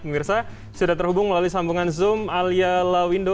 pemirsa sudah terhubung melalui sambungan zoom alia lawindo